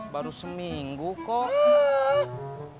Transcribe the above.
baru seminggu kok